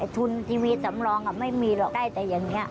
ทุนทีวีสำรองไม่มีหรอกได้แต่อย่างนี้